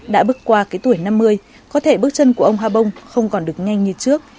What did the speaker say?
đã bước qua cái tuổi năm mươi có thể bước chân của ông ha bông không còn được nhanh như trước